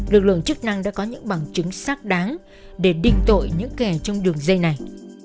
lực lượng chức năng đã có những bằng chứng xác đáng để đình tội những kẻ trong đường dây này